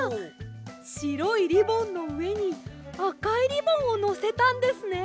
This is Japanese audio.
しろいリボンのうえにあかいリボンをのせたんですね。